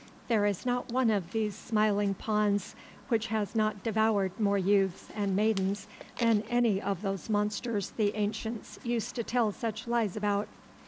There is not one of these smiling ponds which has not devoured more youths and maidens than any of those monsters the ancients used to tell such lies about.